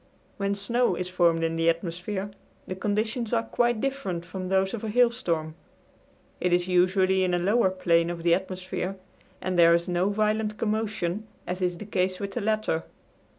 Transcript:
When snow is formed in the atmosphere, the conditions are quite different from those of a hailstorm; it is usually in a lower plane of the atmosphere, and there is no violent commotion, as is the case with the latter.